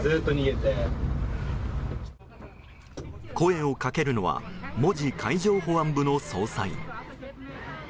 声をかけるのは門司海上保安部の捜査員。